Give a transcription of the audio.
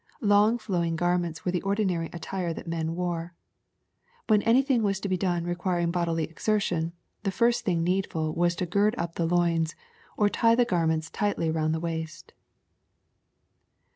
Long flowing garments were the ordinary attire that men wore. When any thing was to be done requiring bodily exertion, the first thing needful was to gird up the loins, or tie the garments tightly round the waist.